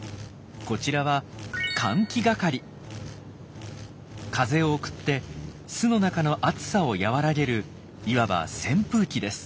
こちらは風を送って巣の中の暑さを和らげるいわば扇風機です。